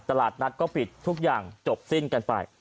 ตลาดนัดก็ปิดทุกอย่างจบสิ้นกันไป